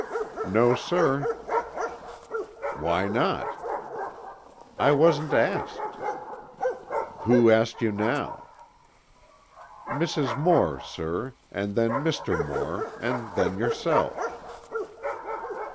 "No, sir." "Why not?" "I wasn't asked." "Who asked you now?" "Mrs. Moore, sir, and then Mr. Moore, and then yourself."